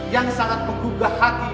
yang sangat menggugah hati